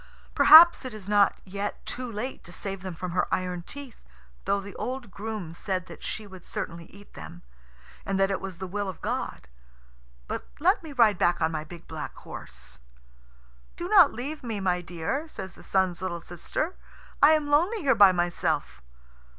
"Perhaps it is not yet too late to save them from her iron teeth, though the old groom said that she would certainly eat them, and that it was the will of God. But let me ride back on my big black horse." "Do not leave me, my dear," says the Sun's little sister. "I am lonely here by myself."